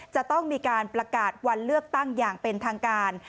จะต้องมีการประกาศวันเลือกตั้งอย่างเป็นทางการ